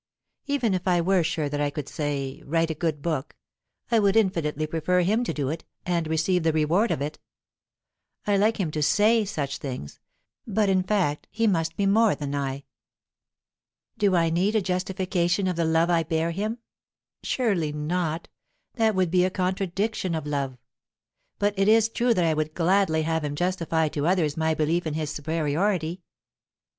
Even if I were sure that I could, say, write a good book, I would infinitely prefer him to do it and receive the reward of it. I like him to say such things, but in fact he must be more than I. Do I need a justification of the love I bear him? Surely not; that would be a contradiction of love. But it is true that I would gladly have him justify to others my belief in his superiority.